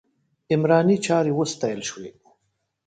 عمراني چارې وستایل شوې.